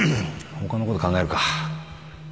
他のこと考えるか